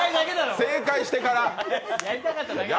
正解してから。